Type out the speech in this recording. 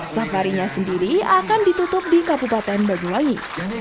safarinya sendiri akan ditutup di kabupaten banyuwangi